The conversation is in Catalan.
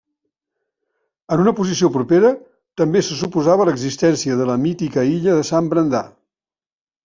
En una posició propera, també se suposava l'existència de la mítica illa de Sant Brandà.